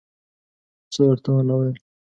څه ورته ونه ویل.